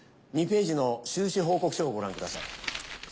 ２ページの収支報告書をご覧ください。